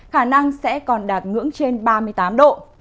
khả năng sẽ còn đạt ngưỡng trên ba mươi tám độ